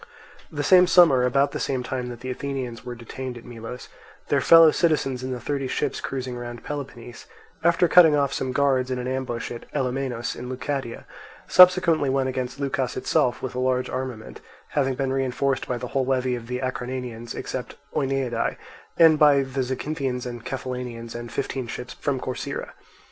The same summer, about the same time that the Athenians were detained at Melos, their fellow citizens in the thirty ships cruising round Peloponnese, after cutting off some guards in an ambush at Ellomenus in Leucadia, subsequently went against Leucas itself with a large armament, having been reinforced by the whole levy of the Acarnanians except Oeniadae, and by the Zacynthians and Cephallenians and fifteen ships from Corcyra.